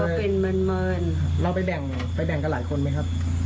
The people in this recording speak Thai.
เป็นเมินเราไปแบ่งไปแบ่งกับหลายคนไหมครับ